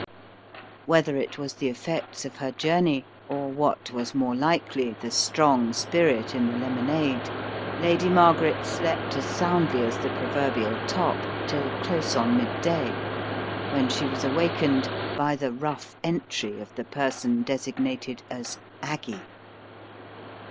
Whether it was the effects of her journey, or what was more likely the strong spirit in the lemonade, Lady Margaret slept as soundly as the proverbial top till close on mid day, when she was awakened by the rough entry of the person designated as "Aggie."